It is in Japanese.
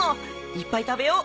いっぱい食べよう。